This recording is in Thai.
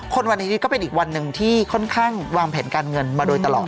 วันอาทิตย์ก็เป็นอีกวันหนึ่งที่ค่อนข้างวางแผนการเงินมาโดยตลอด